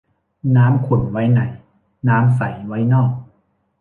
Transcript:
น้ำขุ่นไว้ในน้ำใสไว้นอก